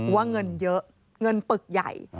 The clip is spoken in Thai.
ว่าเงินเยอะเงินปึกใหญ่